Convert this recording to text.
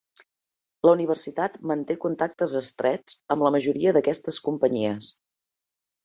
La universitat manté contactes estrets amb la majoria d'aquestes companyies.